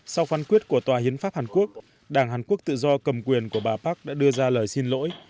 sau phán quyết của tòa hiến pháp hàn quốc đảng hàn quốc tự do cầm quyền của bà park đã đưa ra lời xin lỗi